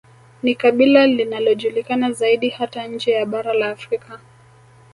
Ni kabila linalojulikana zaidi hata nje ya bara la Afrika